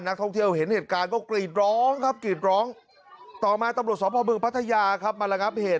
ในเบนเร็วคุณก็หมดสตีแล้ว